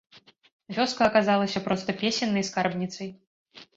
Вёска аказалася проста песеннай скарбніцай.